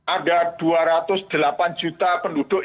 ada dua ratus delapan juta penduduk